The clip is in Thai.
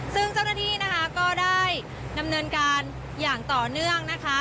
ซึ่งเจ้าหน้าที่นะคะก็ได้ดำเนินการอย่างต่อเนื่องนะคะ